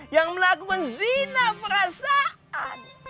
yang melakukan zina perasaan